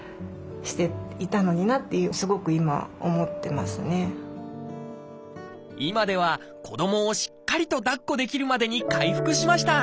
もし今では子どもをしっかりと抱っこできるまでに回復しました。